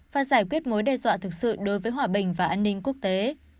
và giải quyết mối đe dọa thực sự đối với hòa bình và an ninh quốc tế